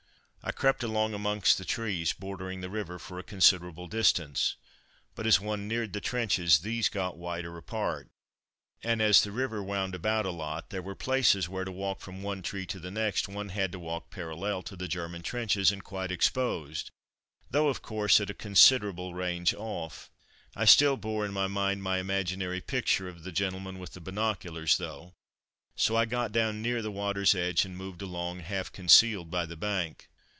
I crept along amongst the trees bordering the river for a considerable distance, but as one neared the trenches, these got wider apart, and as the river wound about a lot there were places where to walk from one tree to the next, one had to walk parallel to the German trenches and quite exposed, though, of course, at a considerable range off. I still bore in mind my imaginary picture of the gentleman with binoculars, though, so I got down near the water's edge and moved along, half concealed by the bank.